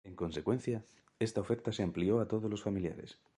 En consecuencia, esta oferta se amplió a todos los familiares.